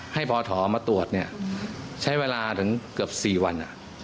ให้พอถอมาตรวจเนี่ยใช้เวลาถึงเกือบ๔วัน